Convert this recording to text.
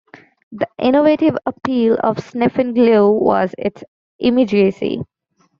The innovative appeal of "Sniffin' Glue" was its immediacy.